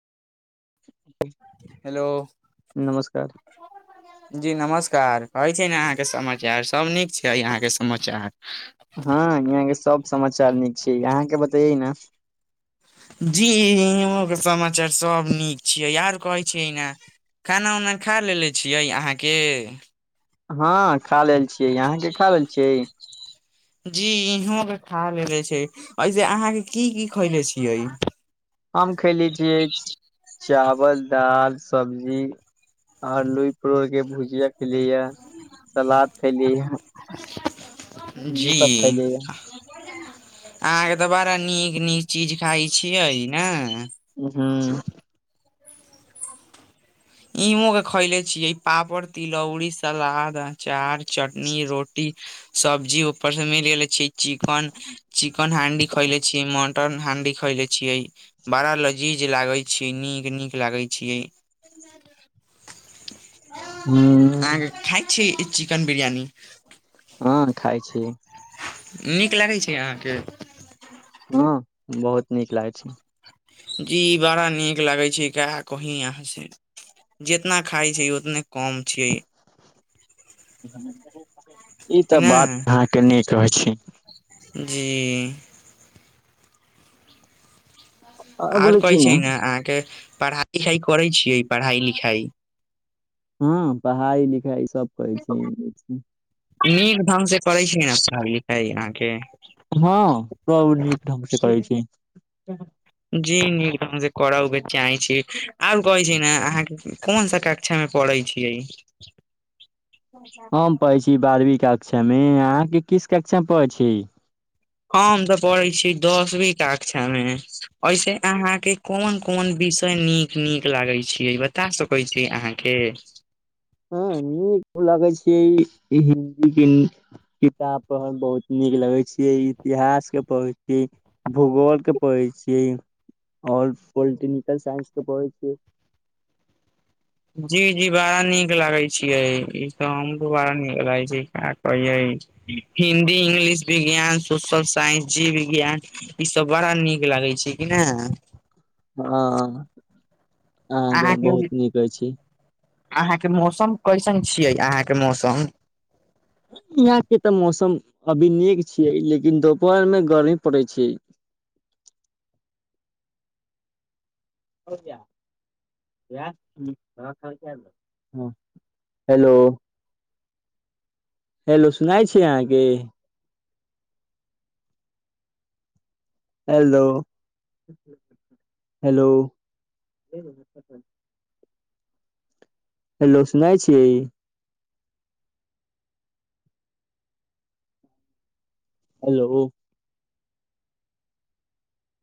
hello नमस्कार जी नमस्कार कहय छी ने अहाँके समाचार सभ नीक छैय यहाँके समाचार हँ यहाँ के सब समाचार नीक छैय अहाँके बतायये ने जी इहों के समाचार सब नीक छियै याद करै छियै ने खाना उना खा लेने छियै अहाँके हँ खा लेल छियै यहाँ के खा लेल छियै जी इहों के खा लेले छैय ऐसे अहाँ के की की खैले छियै हम खयले छियै चावल दाल सब्जी और लुई परोर के भुजिया खेलियैये सलाद खैली ये ई जी सब खैली ये अहाँके तऽ बड़ा नीक नीक चीज खाय छियै नऽ हूँऽ इहों कऽ खैले छियै पापड़ तिलौरी सलाद अचार चटनी रोट टी सब्जी ऊपर सऽ मिल गेले छी चिकन चिकन हांडी खएले छी म टन हंडी खैले छियै बड़ा लजीज लागय छी नीक नीक लागय छियै अहां हूँऽ के खाय छैय ई चिकेन बिरियानी हँ खाय छी नीक लागैय छैय अहाँके हँ बहुत नीक लागय छैय जी बड़ा नीक लागै छैय का कही अहाँ से जितना खाय छैय ओतने कम छियै ई कि तऽ ना बात अहाँके नीक अछि जी आओर कहै छैय ने अहाँके पढ़ाय लिखाय करै छियै पढ़ाय लिखाय हँ पढ़ाय लिखाय सब करै छियै येहें से नीक ढंग से करै छियै ने पढ़ाय लिखाय अहाँके हँ सब नीक ढंग से करै छैय जी नीक ढ़ग से करहुके चाहै छी आब कहय छी ने अहाँके कोन सा कक्षा मऽ पढ़ै छियै हम पढ़ै छी बारहवीं कक्षा मे अहाँ के किस कक्षा मे पढ़ै छी हम तऽ पढ़ै छी दसवीं कक्षा मऽ ऐसे अहाँके कोन कोन विषय नीक नीक लागय छैय बता सकै छी अहाँ के हँ नीक लगय छैय हिन्दी किताब पढ़ऽ मऽ बहुत नीक लगे छियै इ इतिहास के पढ़ै इ भूगोल के पढ़ै छियै और पोलटिंकल साइंस के पढ़ै छियै जी जी बड़ा नीक लागे छियै ई तऽ हमरो बड़ा नीक लागै छैय का कहियै हिन्दी इंग्लिश विज्ञान सोशलस साइंस जी विज्ञान ई सब बड़ा नीक लागै छैय कि ने हँ अहाँ के अहाँके बहुत नीक अछि अहाँके मौसम कैसन छियै अहाँके मौसम यहाँ के तऽ मौसम अभी नीक छियै लेकिन दोपहर मे गर्मी पड़य छैय [unintelligible] [unintelligible] हेलो हेलो सुनाय छी अहाँके हलो हेलो [unintelligible] हेलो सुनय छीियै हेलो